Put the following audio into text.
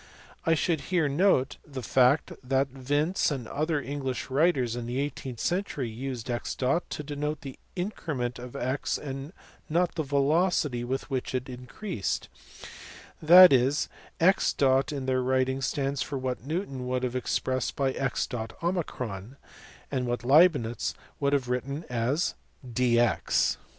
I should here note the fact that Vince and other English writers in the eighteenth century used x to denote the increment of x and not the velocity with which it increased ; that is, x in their writings stands for what Newton would have expressed by xo and what Leibnitz would have written as dx.